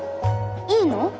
いいの？